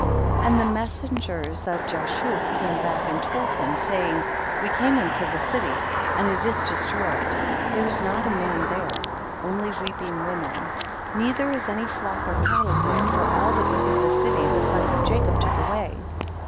And the messengers of Jashub came back and told him, saying, we came unto the city, and it is destroy ed, there is not a man there ; only weeping women ; neither is any flock or cattle there, for all that was in the city the sons of Jacob took away.